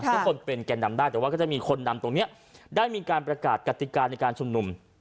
ทุกคนเป็นแก่นำได้แต่ว่าก็จะมีคนนำตรงนี้ได้มีการประกาศกติกาในการชุมนุม